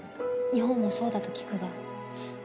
「日本もそうだと聞くが」。